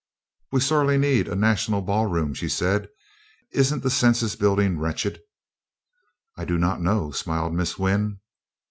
"We sorely need a national ball room," she said. "Isn't the census building wretched?" "I do not know," smiled Miss Wynn.